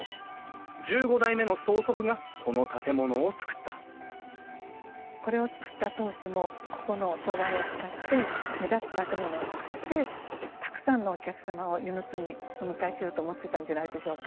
１５代目の曽祖父がこの建物をつくったこれをつくった当主もここの素材を使って目立つ建物をつくってたくさんのお客様を温泉津にお迎えしようと思ってたんじゃないでしょうか。